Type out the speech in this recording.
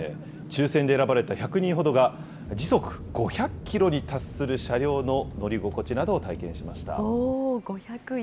抽せんで選ばれた１００人ほどが、時速５００キロに達する車両の乗り心地などを体験しました。